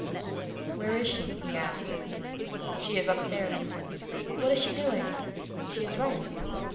"Where is she?" he asked. "She is up stairs." "What is she doing?" "She is writing."